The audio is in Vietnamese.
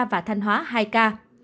và thanh hóa hai ca